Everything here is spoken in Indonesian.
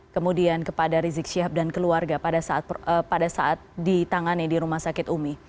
kemudian kepada rizik syihab dan keluarga pada saat ditangani di rumah sakit umi